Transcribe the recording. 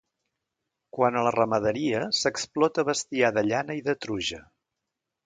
Quant a la ramaderia s'explota bestiar de llana i de truja.